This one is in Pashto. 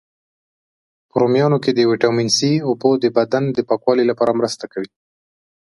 په رومیانو کی د ویټامین C، اوبو د بدن د پاکوالي لپاره مرسته کوي.